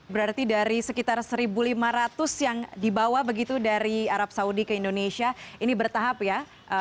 berarti dari sekitar satu lima ratus yang dibawa begitu dari arab saudi ke indonesia ini bertahap ya